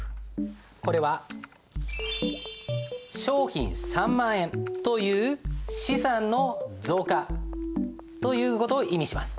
これは商品３万円という資産の増加という事を意味します。